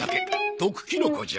毒キノコじゃ。